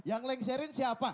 yang lengserin siapa